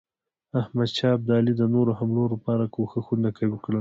احمدشاه ابدالي د نورو حملو لپاره کوښښونه وکړل.